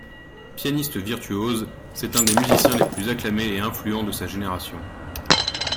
Pianiste virtuose, c'est un des musiciens les plus acclamés et influents de sa génération.